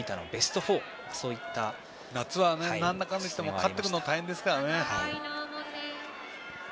夏はなんだかんだで勝ってくるの大変ですからね。